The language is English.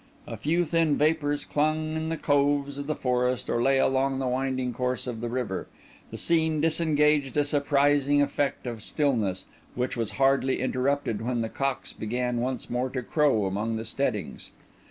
A few thin vapours clung in the coves of the forest or lay along the winding course of the river. The scene disengaged a surprising effect of stillness, which was hardly interrupted when the cocks began once more to crow among the steadings.